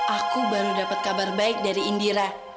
aku baru dapat kabar baik dari indira